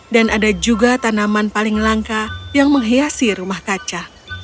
dan ada juga tanaman paling langka yang menghiasi rumah kaca